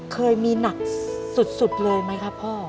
เคยมีหนักสุดเลยไหมครับพ่อ